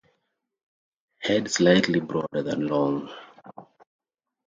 Head slightly broader than long.